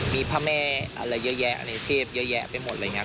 มีพระแม่อะไรเยอะแยะในเทพเยอะแยะไปหมดอะไรอย่างนี้